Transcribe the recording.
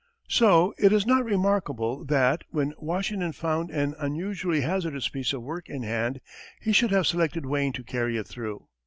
So it is not remarkable that, when Washington found an unusually hazardous piece of work in hand, he should have selected Wayne to carry it through.